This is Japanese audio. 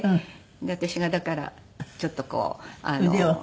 私がだからちょっとこう腕組んで。